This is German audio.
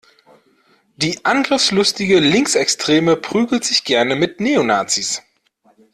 Die angriffslustige Linksextreme prügelt sich gerne mit Neonazis.